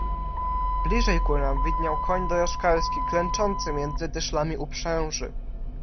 "Bliżej ku nam widniał koń dorożkarski, klęczący między dyszlami uprzęży."